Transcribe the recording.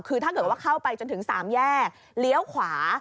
คือถ้าเกิดว่าเข้าไปจนถึง๓แยกเลี้ยวขวา